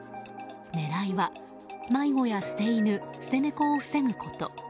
狙いは、迷子や捨て犬、捨て猫を防ぐこと。